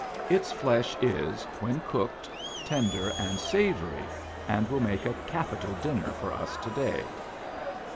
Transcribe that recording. Its flesh is, when cooked, tender and savory, and will make a capital dinner for us today."